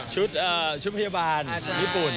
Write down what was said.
ชุดพยาบาลญี่ปุ่น